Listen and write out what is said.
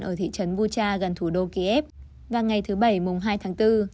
ở thị trấn vuja gần thủ đô kiev vào ngày thứ bảy mùng hai tháng bốn